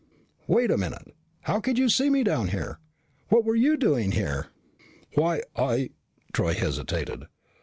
"Wait a minute. How could you see me down here? What were you doing here?" "Why I " Troy hesitated.